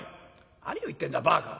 何を言ってんだバカ。